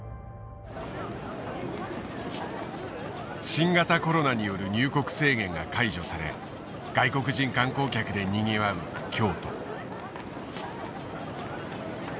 新型コロナによる入国制限が解除され外国人観光客でにぎわう京都。